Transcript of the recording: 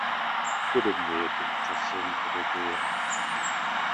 Podobně je to i časem prodeje akcií.